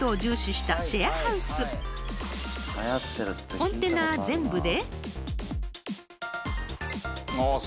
［コンテナは全部で］